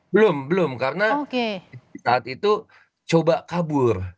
belum belum karena saat itu coba kabur